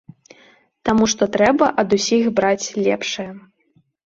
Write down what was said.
Таму што трэба ад усіх браць лепшае.